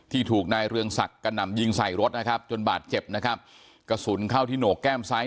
ถูกนายเรืองศักดิ์กระหน่ำยิงใส่รถนะครับจนบาดเจ็บนะครับกระสุนเข้าที่โหนกแก้มซ้าย